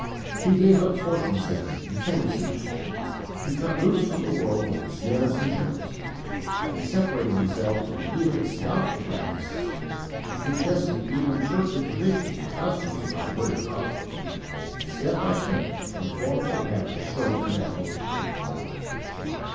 He gave up fortune seeking and fame seeking; he cut loose from the world with its snares and joys; he separated himself from even its doubtful practices, he tested even churchly traditions and customs by the word of God, and step by step conformed to the pattern showed in that word.